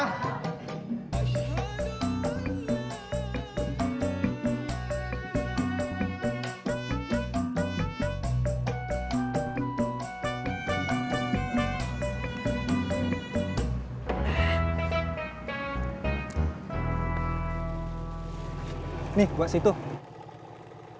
har seconds aku tuh sg